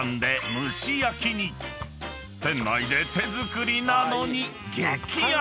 ［店内で手作りなのに激安！］